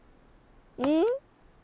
うん？